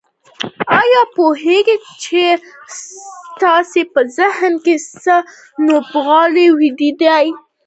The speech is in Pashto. آيا پوهېږئ چې ستاسې په ذهن کې څه نبوغ ويده دی؟